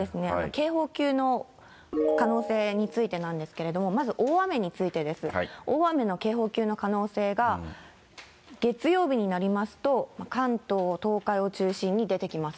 警報級の可能性についてなんですけれども、まず大雨についてです。大雨の警報級の可能性が、月曜日になりますと関東、東海を中心に出てきます。